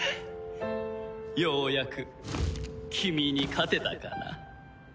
ようやく君に勝てたかな。